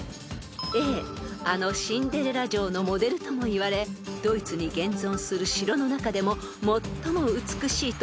［Ａあのシンデレラ城のモデルともいわれドイツに現存する城の中でも最も美しいと呼び声高い］